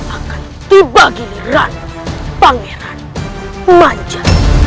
akan tiba giliran pangeran manja